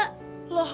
iya ruslan juga